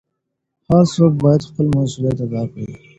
هر څوک بايد خپل مسووليت ادا کړي.